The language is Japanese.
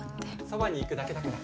そばに行くだけだから。